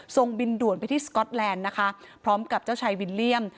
ส่งบินด่วนไปที่สก๊อตแลนด์นะคะพร้อมกับเจ้าชายวิลเลี่ยม